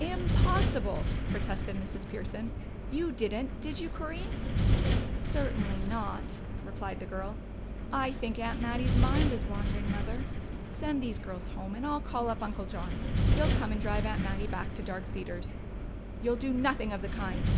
"Impossible!" protested Mrs. Pearson. "You didn't, did you, Corinne?" "Certainly not," replied the girl. "I think Aunt Mattie's mind is wandering, Mother. Send these girls home, and I'll call up Uncle John. He'll come and drive Aunt Mattie back to Dark Cedars." "You'll do nothing of the kind!"